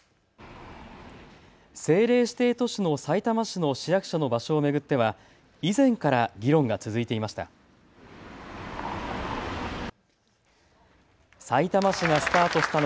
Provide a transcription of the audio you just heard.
政令指定都市のさいたま市の市役所の場所を巡っては以前から議論が続いていました。